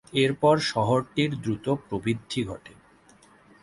এরপর শহরটির দ্রুত প্রবৃদ্ধি ঘটে।